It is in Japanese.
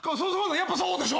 やっぱそうでしょ！？